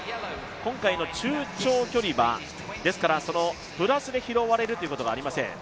今回の中長距離はプラスで拾われるということがありません。